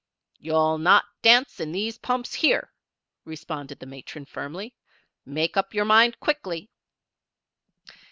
"You'll not dance in these pumps here," responded the matron, firmly. "Make up your mind quickly."